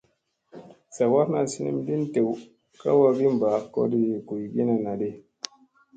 Zawaarna sinim lin dew ka wagii mɓa koɗii guygiina naa di.